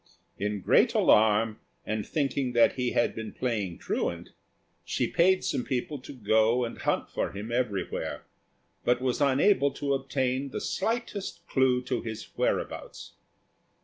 In great alarm, and thinking that he had been playing truant, she paid some people to go and hunt for him everywhere, but was unable to obtain the slightest clue to his whereabouts.